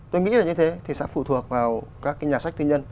tôi nghĩ là như thế thì sẽ phụ thuộc vào các cái nhà sách tư nhân